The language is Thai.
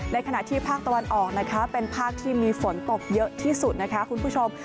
ขณะที่ภาคตะวันออกนะคะเป็นภาคที่มีฝนตกเยอะที่สุดนะคะคุณผู้ชม